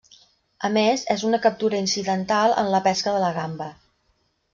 A més, és una captura incidental en la pesca de la gamba.